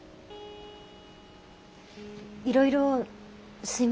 いろいろすいません。